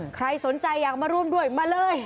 ใครสนใจอยากมาร่วมด้วยมาเลย